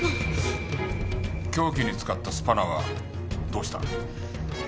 凶器に使ったスパナはどうした？